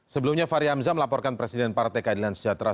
sebelumnya fahri hamzah melaporkan presiden partai keadilan sejahtera